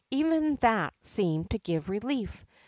Even that seemed to give relief.